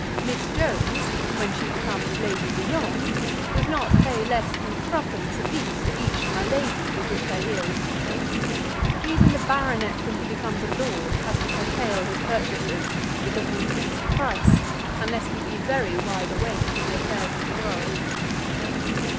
Miss Jones, when she becomes Lady de Jongh, does not pay less than threepence apiece for each "my lady" with which her ear is tickled. Even the baronet when he becomes a lord has to curtail his purchases, because of increased price, unless he be very wide awake to the affairs of the world.